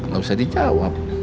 gak usah dijawab